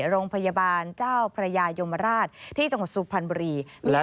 โรงพยาบาลเจ้าพระยายมราชที่จังหวัดสุพรรณบุรี